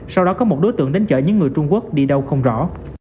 sau đó có một đối tượng đến chở những người trung quốc đi đâu không rõ